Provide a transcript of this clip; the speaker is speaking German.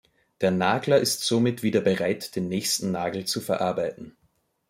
Der Nagler ist somit wieder bereit, den nächsten Nagel zu verarbeiten.